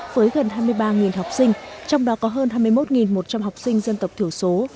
với gần hai mươi ba học sinh trong đó có hơn hai mươi một một trăm linh học sinh dân tộc thiểu số